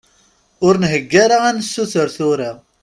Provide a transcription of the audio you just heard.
Ur nheggi ara ad nessuter tura.